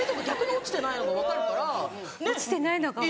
落ちてないのが分かる？